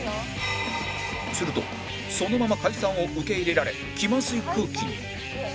するとそのまま解散を受け入れられ気まずい空気に